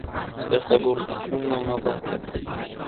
Ստեղծագործությունն անավարտ է։